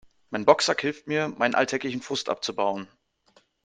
Mein Boxsack hilft mir, meinen alltäglichen Frust abzubauen.